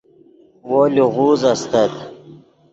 وو لیغوز استت